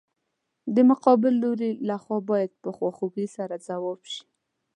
د مقابل لوري له خوا باید په خواخوږۍ سره ځواب شي.